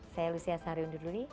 saya lucia saharunduli